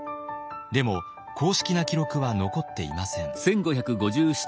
でも公式な記録は残っていません。